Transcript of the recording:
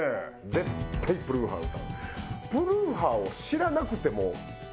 絶対「プルーハー」歌う。